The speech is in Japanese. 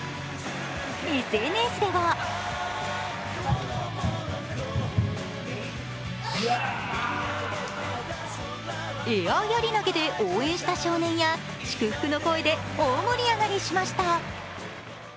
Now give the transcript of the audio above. ＳＮＳではエアやり投で応援した少年や祝福の声で大盛り上がりしました。